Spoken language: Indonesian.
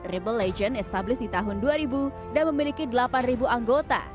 reuble legend established di tahun dua ribu dan memiliki delapan anggota